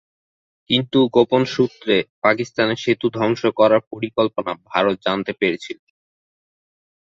কিন্তু গোপন সুত্রে পাকিস্তানের সেতু ধ্বংস করার পরিকল্পনা ভারতে জানতে পেরেছিল।